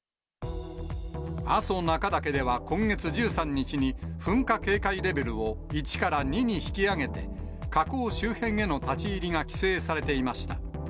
阿蘇中岳では今月１３日に、噴火警戒レベルを１から２に引き上げて、火口周辺への立ち入りが規制されていました。